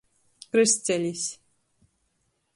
Krystcelis.